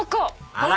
あら！